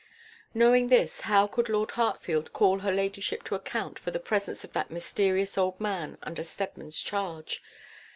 Knowing this, how could Lord Hartfield call her ladyship to account for the presence of that mysterious old man under Steadman's charge?